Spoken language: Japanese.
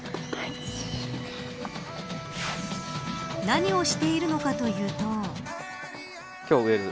何をしているのかというと。